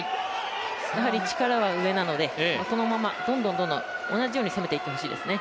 やはり、力は上なのでこのまま、どんどん同じように攻めいってほしいですね。